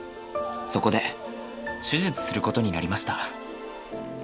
そこで手術することになりました。